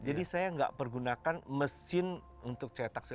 jadi saya nggak pergunakan mesin untuk cetak